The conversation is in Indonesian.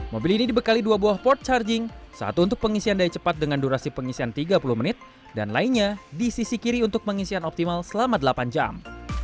mobil ini dibekali dua buah port charging satu untuk pengisian daya cepat dengan durasi pengisian tiga puluh menit dan lainnya di sisi kiri untuk pengisian optimal selama delapan jam